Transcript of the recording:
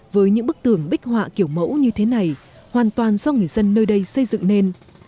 với những bức tường bích họa kiểu mẫu như thế này hoàn toàn do người dân nơi đây xây dựng nên